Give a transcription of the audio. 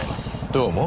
どうも。